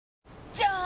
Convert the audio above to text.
じゃーん！